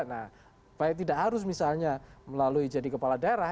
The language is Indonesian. nah baik tidak harus misalnya melalui jadi kepala daerah